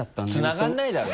つながらないだろ！